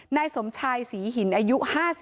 นายสมชายศรีหินอายุ๕๓